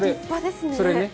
それね。